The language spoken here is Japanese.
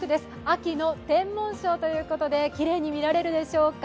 秋の天文ショーということできれいに見られるでしょうか。